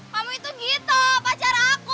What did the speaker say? kamu itu gitu pacar aku